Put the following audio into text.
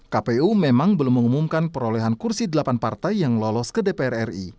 kpu memang belum mengumumkan perolehan kursi delapan partai yang lolos ke dpr ri